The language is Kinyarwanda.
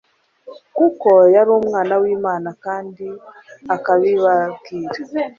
Kuko yari Umwana w'Imana kandi akabibabwira,